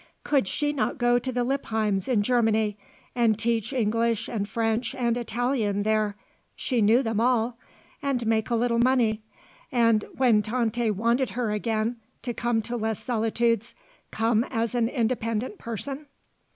Could she not go to the Lippheims in Germany and teach English and French and Italian there she knew them all and make a little money, and, when Tante wanted her again to come to Les Solitudes, come as an independent person?